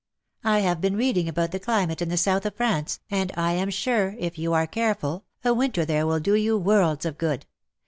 I have been reading about the climate in the South of France, and I am sure, if you are careful, a winter there will do you worlds of good.